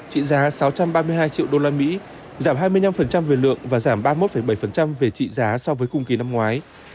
trị giá sáu trăm ba mươi hai triệu usd giảm hai mươi năm về lượng và giảm ba mươi một bảy về trị giá so với cùng kỳ năm ngoái